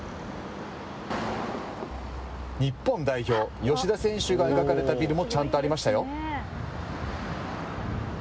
日本代表吉田選手が描かれたビルもちゃんとありましたよ。